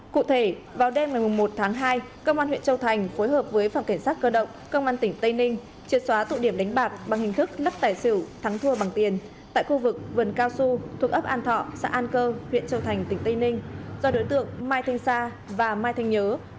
công an huyện châu thành tỉnh tây ninh vừa triệt xóa một tụ điểm đánh bạc với thủ đoạn tinh vi thuê người cảnh giới lực lượng chức năng tạm giữ nhiều tăng vật có liên quan